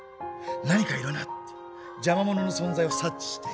何かいるなって邪魔者の存在を察知して。